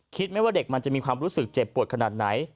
ไหมว่าเด็กมันจะมีความรู้สึกเจ็บปวดขนาดไหน